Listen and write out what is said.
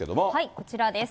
こちらです。